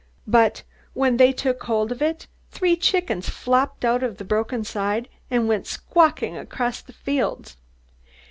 But when they took hold of it three chickens flopped out of the broken side, and went squawking across the fields."